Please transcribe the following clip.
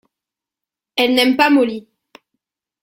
Elle n'aime pas Molly.